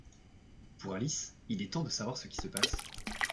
Pour Alice, il est temps de savoir ce qui se passe.